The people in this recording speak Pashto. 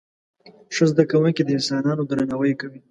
ښه زده کوونکي د انسانانو درناوی کوي.